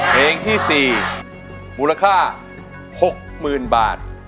เพลงที่๔มูลค่า๖๐๐๐๐บาท